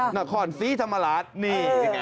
หน้าขอนฟรีธรรมาลาสนี่